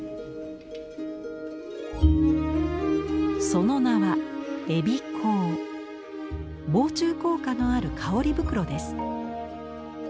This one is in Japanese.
その名は防虫効果のある香り袋です。